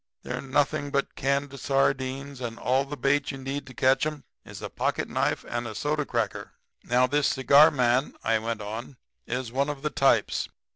They're nothing but canned sardines, and all the bait you need to catch 'em is a pocketknife and a soda cracker. "'Now, this cigar man,' I went on, 'is one of the types.